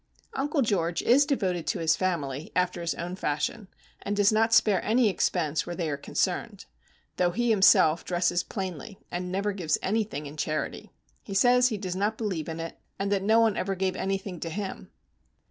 Uncle George is devoted to his family, after his own fashion, and does not spare any expense where they are concerned; though he, himself, dresses plainly and never gives anything in charity. He says he does not believe in it, that no one ever gave anything to him.